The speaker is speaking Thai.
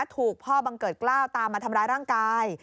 ถูกพ่อบังเกิดกล้าวตามมาทำร้ายร่างกาย